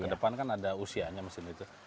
kedepan kan ada usianya mesin itu